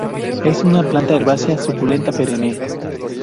Es una planta herbácea suculenta perenne.